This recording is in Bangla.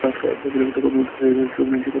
তার উর্ধতন দের সাথেও চোখ নাচিয়ে কথা বলত।